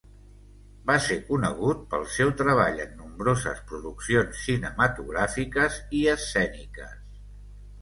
Va ser conegut pel seu treball en nombroses produccions cinematogràfiques i escèniques.